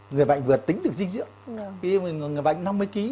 người bệnh vừa tính được dinh dưỡng ví dụ người bệnh năm mươi kg